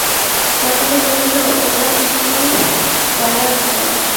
সকলে বলিল, ওলা-চিনির ডেলার মত।